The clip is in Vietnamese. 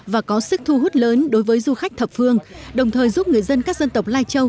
và có sức thu hút lớn đối với du khách thập phương đồng thời giúp người dân các dân tộc lai châu